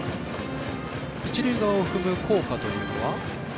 一塁側を踏む効果というのは？